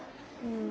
うん。